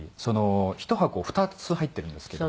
１箱２つ入ってるんですけど。